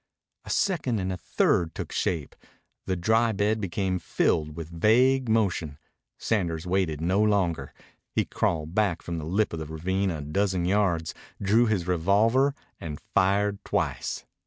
A second and a third took shape. The dry bed became filled with vague motion. Sanders waited no longer. He crawled back from the lip of the ravine a dozen yards, drew his revolver, and fired twice.